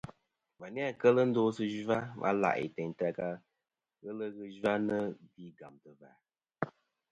Và ni-a kel ndo sɨ zhwa va la'i teyn ta ka ghelɨ ghɨ zhwanɨ gvi gàmtɨ̀ và.